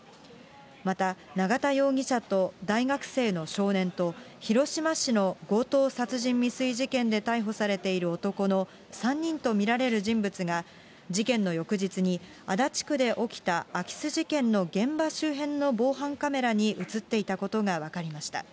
また、永田容疑者と大学生の少年と、広島市の強盗殺人未遂事件で逮捕されている男の３人と見られる人物が、事件の翌日に足立区で起きた空き巣事件の現場周辺の防犯カメラに写っていたことが分かりました。